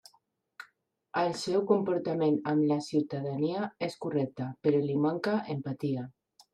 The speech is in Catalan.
El seu comportament amb la ciutadania és correcte però li manca empatia.